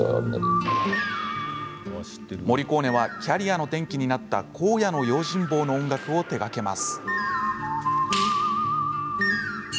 モリコーネはキャリアの転機になった「荒野の用心棒」の音楽を手がけます。